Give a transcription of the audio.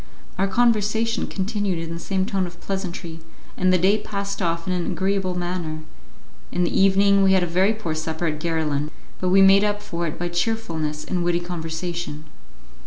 Our conversation continued in the same tone of pleasantry, and the day passed off in an agreeable manner; in the evening we had a very poor supper at Garillan, but we made up for it by cheerfulness and witty conversation.